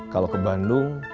kalau ke bandung